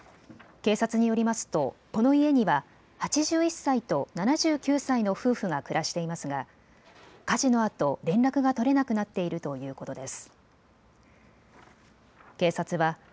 警察によりますと、この家には８１歳と７９歳の夫婦が暮らしていますが火事のあと連絡が取れなくなっているということです。